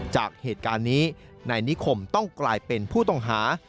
จากเหตุการณ์นี้นายนิคมต้องกลายเป็นผู้ต้องหา